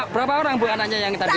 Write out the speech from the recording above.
berapa orang bu anaknya yang tadi